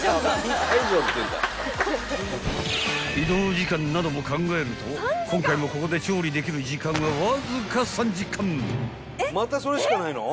［移動時間なども考えると今回もここで調理できる時間はわずか３時間］